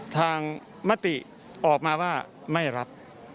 มติออกมาว่าไม่รับ